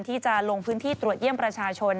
ที่จะลงพื้นที่ตรวจเยี่ยมประชาชน